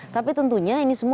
tapi tentunya ini semua